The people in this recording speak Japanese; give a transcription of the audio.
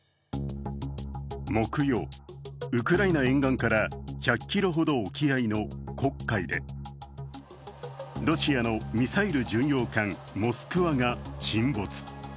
木曜、ウクライナ沿岸から１００ｋｍほど沖合の黒海でロシアのミサイル巡洋艦「モスクワ」が沈没。